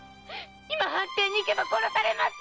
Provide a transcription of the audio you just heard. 今藩邸に行けば殺されます！